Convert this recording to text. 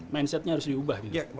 mindsetnya harus diubah gitu